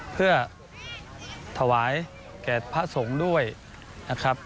เพื่อถวายแก่พระสงฆ์ด้วยนะครับ